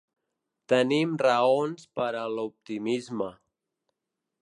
Tenim raons per a l’optimisme.